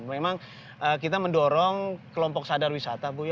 memang kita mendorong kelompok sadar wisata bu ya